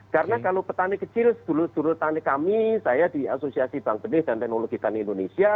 karena kalau petani kecil dulu dulu petani kami saya di asosiasi bank benih dan teknologi tani indonesia